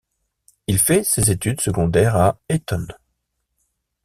Il fait ses études secondaires à Eton.